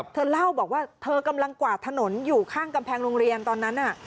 เธอเล่าบอกว่าเธอกำลังกวาดถนนอยู่ข้างกำแพงโรงเรียนตอนนั้น